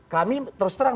kami terus terang